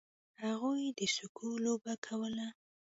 هغوی د سکو لوبه کوله.